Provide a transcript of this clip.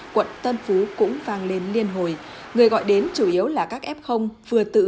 quận tân phú cũng vang lên liên hồi người gọi đến chủ yếu là các f vừa tự